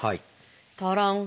タラン！